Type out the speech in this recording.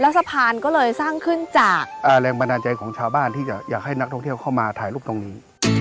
สะพานก็เลยสร้างขึ้นจากแรงบันดาลใจของชาวบ้านที่จะอยากให้นักท่องเที่ยวเข้ามาถ่ายรูปตรงนี้